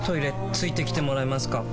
付いてきてもらえますか？